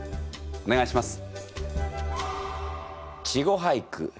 お願いします。